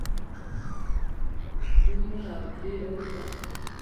دوی تودوخه اوبه ټیلیفون او بریښنا نه درلوده